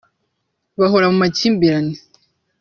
bahora mu makimbirane